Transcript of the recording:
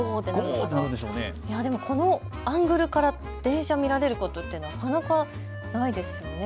このアングルから電車が見られることって、なかなかないですよね。